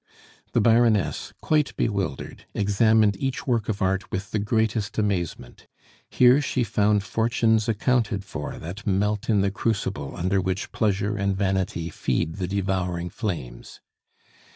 The Baroness, quite bewildered, examined each work of art with the greatest amazement. Here she found fortunes accounted for that melt in the crucible under which pleasure and vanity feed the devouring flames.